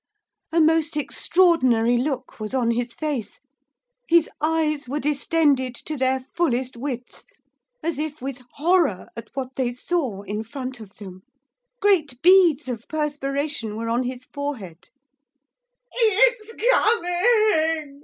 A most extraordinary look was on his face. His eyes were distended to their fullest width, as if with horror at what they saw in front of them. Great beads of perspiration were on his forehead.